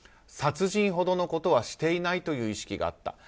殺人ほどのことはしていないという意識があった。